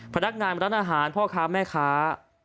พนักงานร้านอาหารพ่อค้าแม่ค้า